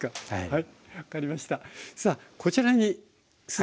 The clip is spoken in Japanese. はい。